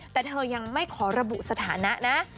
แต่เธอยังไม่ขอระบุสถานะนะ